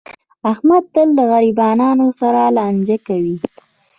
احمد تل له غریبانو سره لانجه کوي.